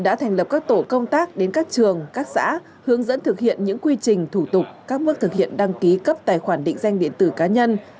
đã thành lập các tổ công tác đến các trường các xã hướng dẫn thực hiện những quy trình thủ tục các mức thực hiện đăng ký cấp tài khoản định danh điện tử cá nhân